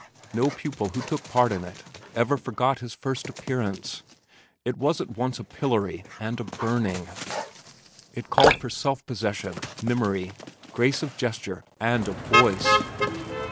No pupil who took part in it ever forgot his first appearance. It was at once a pillory and a burning. It called for self possession, memory, grace of gesture and a voice!